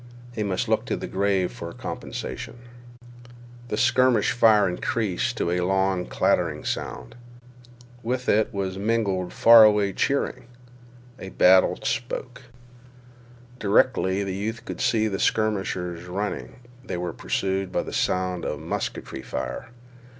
He must look to the grave for comprehension. The skirmish fire increased to a long clattering sound. With it was mingled far away cheering. A battery spoke. Directly the youth could see the skirmishers running. They were pursued by the sound of musketry fire.